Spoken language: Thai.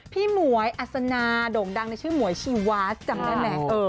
พี่หมวยอาศนาโด่งดังในชื่อหมวยชีวาจังนั้นแหละ